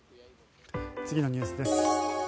次のニュースです。